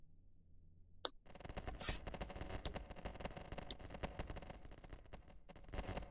Baadhi ya waagizaji bidhaa hiyo wakisubiri tathmini ya bei, inayofanywa na Mamlaka ya Udhibiti wa Nishati na Petroli Aprili kumi na nne.